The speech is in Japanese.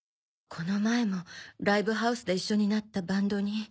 この前もライブハウスで一緒になったバンドに。